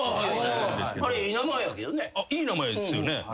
いい名前ですよね？